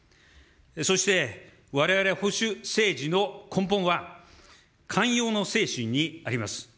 そしてわれわれ保守政治の根本は、寛容の精神にあります。